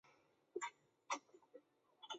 贝尔格莱尔恩是德国巴伐利亚州的一个市镇。